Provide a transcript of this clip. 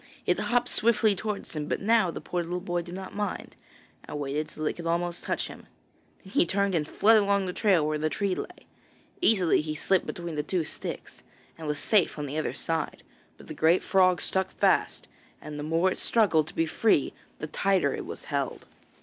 It hopped swiftly towards him, but now the poor little boy did not mind, and waited till it could almost touch him. Then he turned and fled along the trail where the tree lay. Easily he slipped between the two sticks, and was safe on the other side, but the great frog stuck fast, and the more it struggled to be free the tighter it was held.